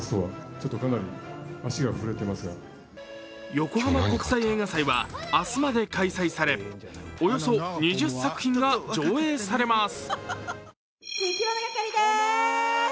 横浜国際映画祭は明日まで開催され、およそ２０作品が上映されます。